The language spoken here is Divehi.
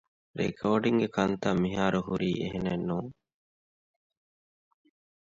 ރެކޯޑިންގގެ ކަންތައް މިހާރުހުރީ އެހެނެއްނޫން